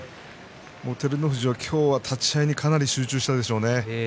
照ノ富士は今日は、立ち合いにかなり集中していたでしょうね。